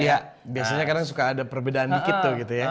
iya biasanya kadang suka ada perbedaan dikit tuh gitu ya